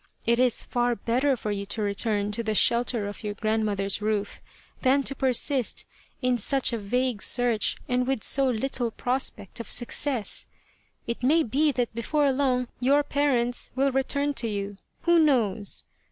It is far better for you to return to the shelter of your grand mother's roof than to persist in such a vague search and with so little prospect of success. It may be that before long your parents will return to you, who knows